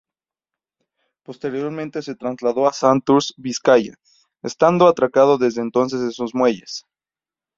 Posteriormente se trasladó a Santurce, Vizcaya, estando atracado desde entonces en sus muelles.